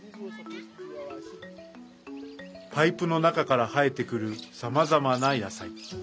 パイプの中から生えてくるさまざまな野菜。